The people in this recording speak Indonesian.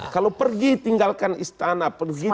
kalau pergi tinggalkan istana